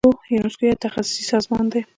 یونسکو یو تخصصي سازمان دی.